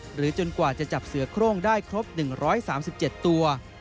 จนกว่าจะจับเสือโครงได้ครบ๑๓๗ตัว